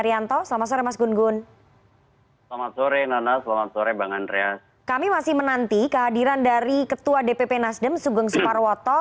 itu ditujukan kepada siapa sih sebetulnya